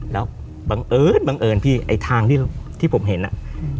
แล้วบังเอิญบังเอิญพี่ไอ้ทางที่ที่ผมเห็นอ่ะอืม